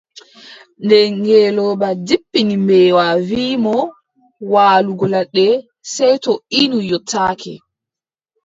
Nde ngeelooba jippini mbeewa wii mo waalugo ladde, sey to innu yottake.